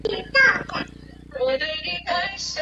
他也被评为最有价值球员。